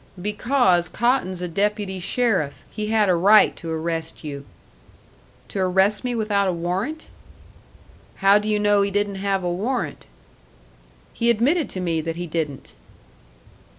"Because Cotton's a deputy sheriff; he had a right to arrest you." "To arrest me without a warrant?" "How do you know he didn't have a warrant?" "He admitted to me that he didn't."